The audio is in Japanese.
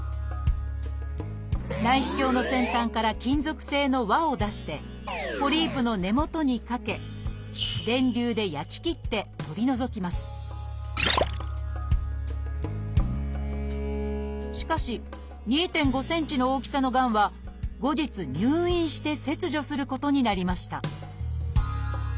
内視鏡の先端から金属製の輪を出してポリープの根元にかけ電流で焼き切って取り除きますしかし２．５ｃｍの大きさのがんは後日入院して切除することになりました